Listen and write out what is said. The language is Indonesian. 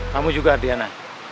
kamu juga adriana